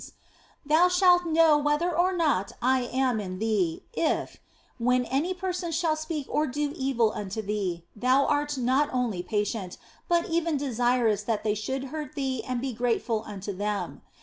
Thus thou shalt know whether or not I am in thee if, when any person shall speak or do evil unto thee, thou art not only patient, but even desirous that they should hurt thee and be grateful unto them.